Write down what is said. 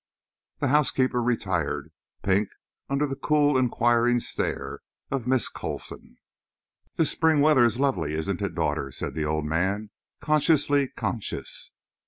The housekeeper retired, pink under the cool, inquiring stare of Miss Coulson. "This spring weather is lovely, isn't it, daughter?" said the old man, consciously conscious.